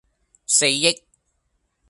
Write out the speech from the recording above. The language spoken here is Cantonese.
四億